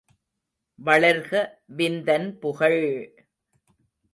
வளர்க விந்தன் புகழ்!!